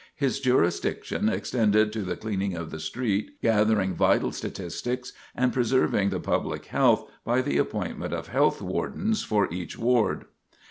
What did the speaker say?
His jurisdiction extended to the cleaning of the street, gathering vital statistics, and preserving the public health by the appointment of health wardens for each ward.